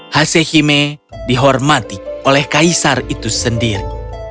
hasehime dihormati oleh kaisar itu sendiri